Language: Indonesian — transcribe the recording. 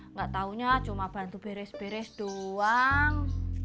gak taunya cuma bantu beres beres doang